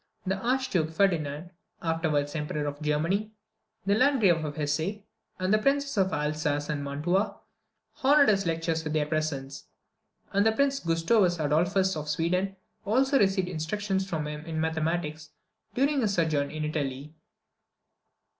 The Archduke Ferdinand (afterwards Emperor of Germany), the Landgrave of Hesse, and the Princes of Alsace and Mantua, honoured his lectures with their presence; and Prince Gustavus Adolphus of Sweden also received instructions from him in mathematics, during his sojourn in Italy.